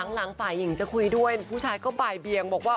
หลังฝ่ายหญิงจะคุยด้วยผู้ชายก็บ่ายเบียงบอกว่า